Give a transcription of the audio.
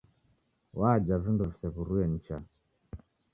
Waja vindo visew'urue nicha